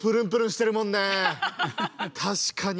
確かに。